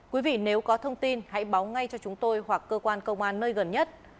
quý vị nếu có thông tin hãy báo ngay cho chúng tôi hoặc cơ quan công an nơi gần nhất